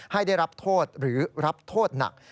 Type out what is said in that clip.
ให้ได้รับโทษหรือรับโทษหนัก